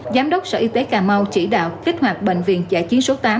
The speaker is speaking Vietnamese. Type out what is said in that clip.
giám đốc sở y tế cà mau chỉ đạo kích hoạt bệnh viện dạ chiến số tám